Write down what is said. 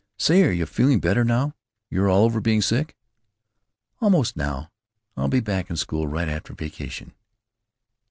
"Say, are you feeling better now? You're all over being sick?" "Almost, now. I'll be back in school right after vacation."